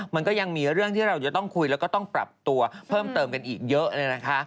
มันก็ยังมีเรื่องที่เราจะต้องคุยแล้วก็ต้องปรับตัวเพิ่มเติมกันอีกเยอะเลยนะคะ